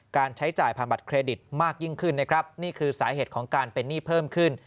ใช้จ่ายผ่านบัตรเครดิตมากยิ่งขึ้นนะครับนี่คือสาเหตุของการเป็นหนี้เพิ่มขึ้น